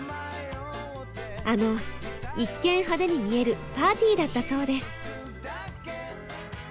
あの一見派手に見えるパーティーだったそうです。